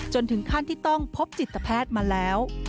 จนถึงขั้นที่ต้องพบจิตแพทย์มาแล้ว